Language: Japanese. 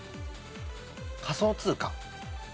仮想通貨。